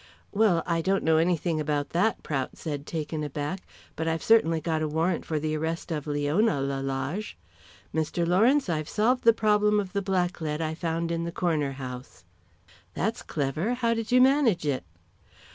"Well, I don't know anything about that," Prout said, taken aback. "But I've certainly got a warrant for the arrest of Leona Lalage. Mr. Lawrence, I've solved the problem of the blacklead I found in the Corner House." "That's clever. How did you manage it?"